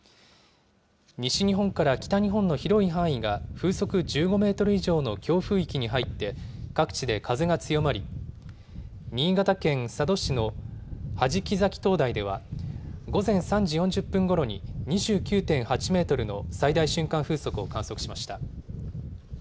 西日本から北日本の広い範囲が風速１５メートル以上の強風域に入って、各地で風が強まり、新潟県佐渡市の弾崎灯台では、午前３時４０分ごろに、２９．８メートルの最大瞬間風速を観測しました。